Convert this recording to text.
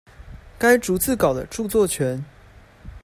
該逐字稿的著作權